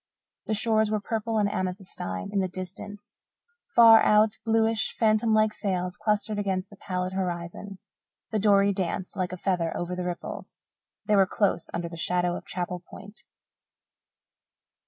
The shores were purple and amethystine in the distance. Far out, bluish, phantom like sails clustered against the pallid horizon. The dory danced like a feather over the ripples. They were close under the shadow of Chapel Point.